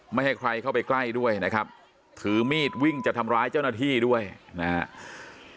ไม่ให้ใครเข้าไปใกล้ด้วยนะครับถือมีดวิ่งจะทำร้ายเจ้าหน้าที่ด้วยนะครับ